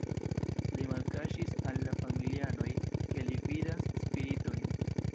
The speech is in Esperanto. Li malkaŝis al la familianoj, ke li vidas spiritojn.